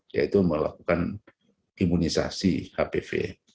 yaitu melakukan imunisasi hpv